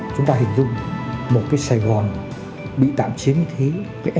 chúng ta hình dung một cái sài gòn bị tạm chiến như thế này